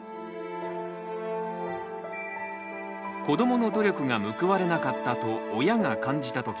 子どもの努力が報われなかったと親が感じた